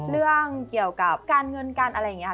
เรื่องเกี่ยวกับการเงินการอะไรอย่างนี้ค่ะ